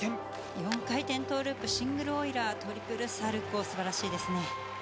４回転トーループ、シングルオイラー、トリプルサルコー、すばらしいですね。